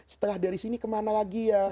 setelah dari sini kemana lagi ya